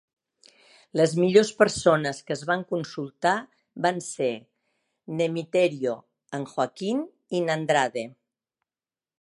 Les millors persones que es van consultar van ser n'Emiterio, en Joaquín i n'Andrade.